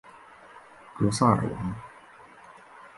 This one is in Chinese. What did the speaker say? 格萨尔王